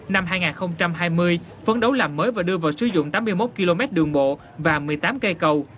năm hai nghìn hai mươi phấn đấu làm mới và đưa vào sử dụng tám mươi một km đường bộ và một mươi tám cây cầu